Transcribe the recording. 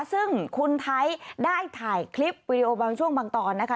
ซึ่งคุณไทยได้ถ่ายคลิปวิดีโอบางช่วงบางตอนนะคะ